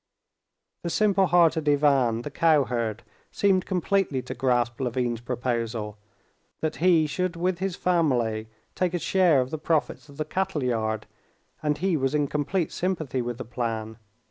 The simple hearted Ivan, the cowherd, seemed completely to grasp Levin's proposal—that he should with his family take a share of the profits of the cattle yard—and he was in complete sympathy with the plan.